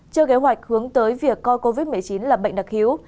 chưa kế hoạch hướng tới việc coi covid một mươi chín là bệnh đặc hữu